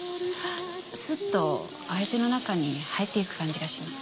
スッと相手の中に入っていく感じがします。